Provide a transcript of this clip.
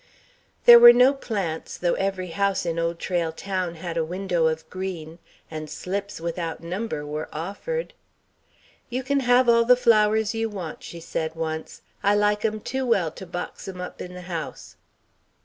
There were no plants, though every house in Old Trail Town had a window of green, and slips without number were offered.... "... You can have flowers all you want," she said once; "I like 'em too well to box 'em up in the house."